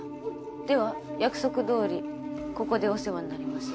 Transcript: では約束どおりここでお世話になります。